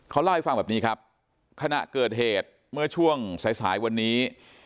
เขาเล่าให้ฟังแบบนี้ครับขณะเกิดเหตุเมื่อช่วงสายสายวันนี้